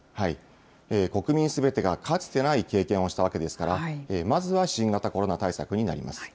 国民すべてがかつてない経験をしたわけですから、まずは新型コロナ対策になります。